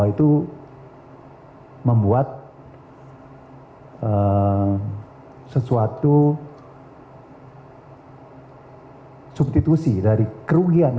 itu membuat sesuatu substitusi dari kerugian